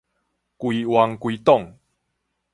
規嚾規黨